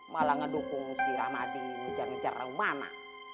malah ngedukung si ramadi menjengkel jengkel rumana